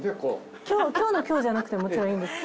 今日の今日じゃなくても。